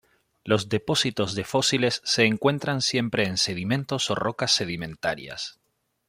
Los depósitos de fósiles se encuentran siempre en sedimentos o rocas sedimentarias.